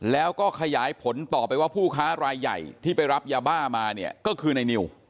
แล้วก็ขยายผลต่อไปว่าผู้ค้ารายใหญ่ที่ไปรับยาบ้ามาเนี่ยก็คือในนิว